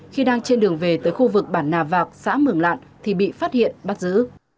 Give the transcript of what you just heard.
khi đang trên đường về tới khu vực bản nà vạc xã mường lạn thì bị phát hiện bắt giữ